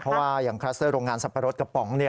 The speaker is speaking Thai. เพราะว่าอย่างคลัสเตอร์โรงงานสับปะรดกระป๋อง